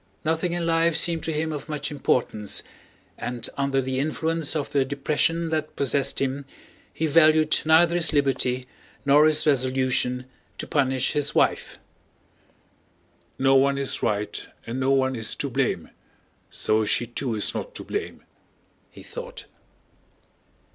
Nothing in life seemed to him of much importance, and under the influence of the depression that possessed him he valued neither his liberty nor his resolution to punish his wife. "No one is right and no one is to blame; so she too is not to blame," he thought.